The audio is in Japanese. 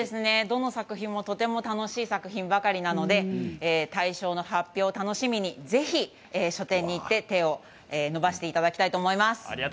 どの作品もとても楽しい作品ばかりなので大賞の発表を楽しみにぜひ書店に行って手を伸ばしていただきたいと思います。